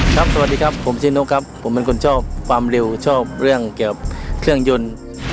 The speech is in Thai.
สวัสดีครับผมชื่อนกครับผมเป็นคนชอบความเร็วชอบเรื่องเกี่ยวเครื่องยนต์